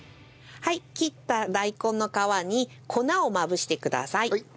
切った大根の皮に粉をまぶしてください。